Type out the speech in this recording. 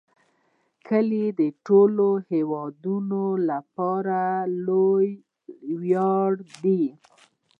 کلي د ټولو هیوادوالو لپاره لوی ویاړ دی.